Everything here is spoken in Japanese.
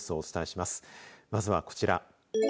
まずは、こちら。